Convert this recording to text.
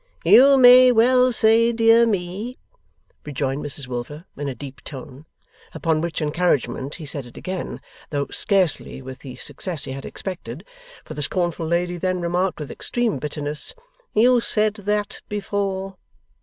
'You may well say Dear me!' rejoined Mrs Wilfer, in a deep tone. Upon which encouragement he said it again, though scarcely with the success he had expected; for the scornful lady then remarked, with extreme bitterness: 'You said that before.